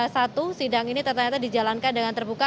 satu sidang ini ternyata dijalankan dengan terbuka